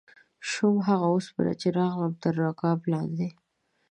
شوم هغه اوسپنه چې راغلم تر رکاب لاندې